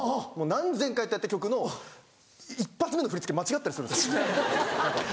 何千回とやった曲の１発目の振り付け間違ったりするんですよ。